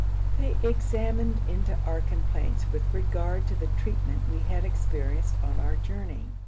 They examined into our complaints with regard to the treatment we had experienced on our journey.